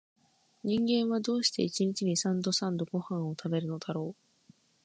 人間は、どうして一日に三度々々ごはんを食べるのだろう